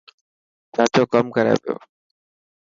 چاچو ڪم ڪري پيو.